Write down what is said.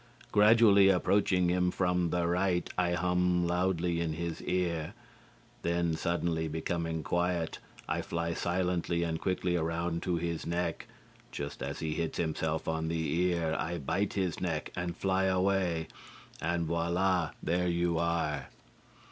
"Gradually approaching him from the right, I hum loudly at his ear. Then, suddenly becoming quiet, I fly silently and quickly around to his neck. Just as he hits himself on the ear, I bite his neck and fly away. And, voilà, there you are!"